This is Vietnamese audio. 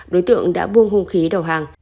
đối tượng đã buông hông khí đầu hàng